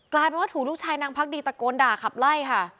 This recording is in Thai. กลายเป็นว่าถูกลูกชายนางพักดีตะโกนด่าขับไล่ค่ะ